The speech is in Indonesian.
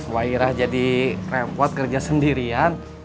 wahirah jadi repot kerja sendirian